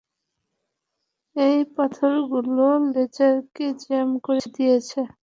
এই পাথরগুলো লেজারকে জ্যাম করে দিয়েছে।